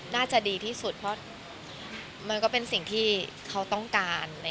น่าจะดีที่สุดเพราะมันก็เป็นสิ่งที่เขาต้องการ